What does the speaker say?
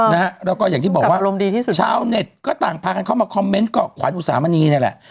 แล้วก็อย่างที่บอกว่าชาวเน็ตก็ต่างพากันเข้ามาคอมเมนต์ก็ขวานอุตสามณีนี่แหละ